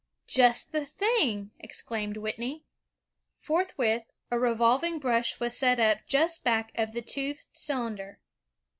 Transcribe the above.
''Just the thing!" exclaimed Whitney. Forthwith, a revolving brush was set up just back of the toothed cylinder.